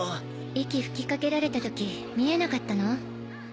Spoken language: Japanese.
息吹きかけられた時見えなかったの？